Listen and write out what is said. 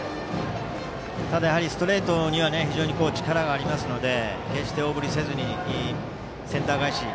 ただストレートには非常に力がありますので決して大振りせずにセンター返し